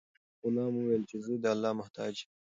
غلام وویل چې زه د الله محتاج یم.